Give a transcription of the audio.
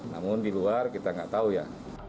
namun di luar kita nggak tahu ya